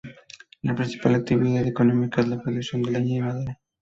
La principal actividad económica es la producción de leña y madera.